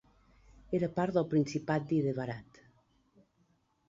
Era part del principat d'Hyderabad.